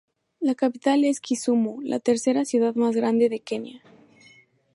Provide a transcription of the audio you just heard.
La capital es Kisumu, la tercera ciudad más grande de Kenia.